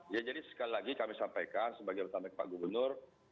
ya jadi sekali lagi kami sampaikan sebagai pertamak pak gubernur